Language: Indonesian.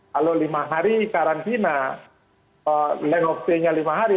kalau lima hari karantina link of stay nya lima hari